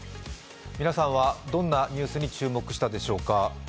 皆さんはどんなニュースに注目したでしょうか。